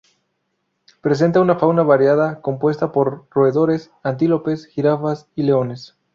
Presenta una fauna variada compuesta por roedores, antílopes, jirafas y leones.